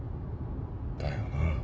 だよな。